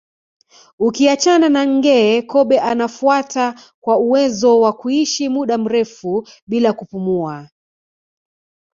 Ukiachana na nge kobe anafuata kwa uwezo wa kuishi muda mrefu bila kupumua